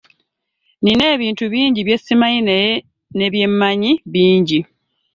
Nnina ebintu bingi bye simanyi naye ne bye mmanyi bingi.